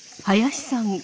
林さん